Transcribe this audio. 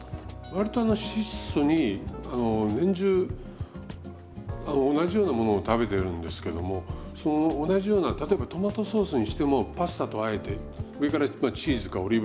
割と質素に年中同じようなものを食べてるんですけどもその同じような例えばトマトソースにしてもパスタとあえて上からチーズかオリーブオイルをかける。